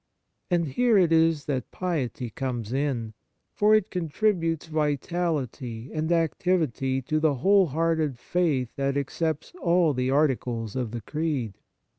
And here it is that piety comes in, for it contributes vitality and activity to the whole hearted faith that accepts all the articles of the Creed.